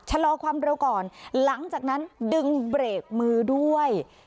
ชะลอความเร็วก่อนหลังจากนั้นดึงเบรกมือด้วย